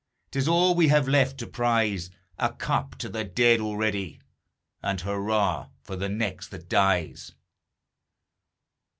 'T is all we have left to prize; A cup to the dead already And hurrah for the next that dies!